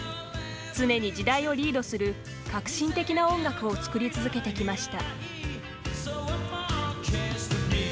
常に時代をリードする革新的な音楽を作り続けてきました。